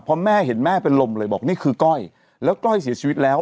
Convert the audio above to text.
พอแม่เห็นแม่เป็นลมเลยบอกนี่คือก้อยแล้วก้อยเสียชีวิตแล้ว